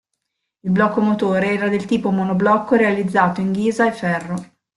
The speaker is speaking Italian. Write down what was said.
Il blocco motore era del tipo monoblocco realizzato in ghisa e ferro.